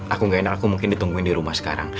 aku gak enak aku mungkin ditungguin di rumah sekarang